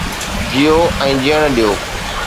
جيئو ۽ جيئڻ ڏيو